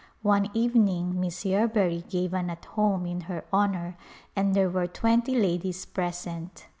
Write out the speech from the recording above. One evening Miss Yerbury gave an "At Home" in her honor and there were twenty ladies present.